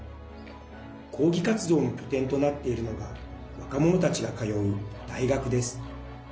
抗議活動の拠点となっているのが若者たちが通う大学です。